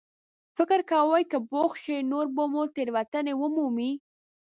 فکر کوئ که بوخت شئ، نور به مو تېروتنې ومومي.